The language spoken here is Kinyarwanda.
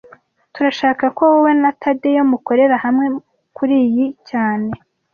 Turashaka ko wowe na Tadeyo mukorera hamwe kuriyi cyane